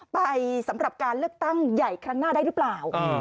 ไปสำหรับการเลือกตั้งใหญ่ครั้งหน้าได้หรือเปล่า